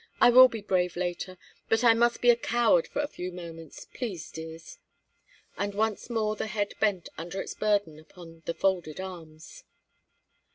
I will be brave later, but I must be a coward for a few moments, please dears!" And once more the head bent under its burden upon the folded arms.